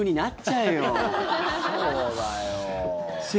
そうだよ。